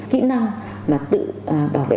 kỹ năng mà tự bảo vệ